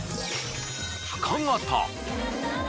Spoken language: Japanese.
深型。